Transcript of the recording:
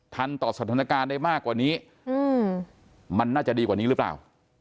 ต่อสถานการณ์ได้มากกว่านี้มันน่าจะดีกว่านี้หรือเปล่า